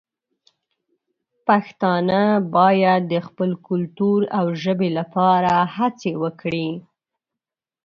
پښتانه باید د خپل کلتور او ژبې لپاره هڅې وکړي.